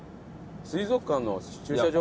水族館の駐車場？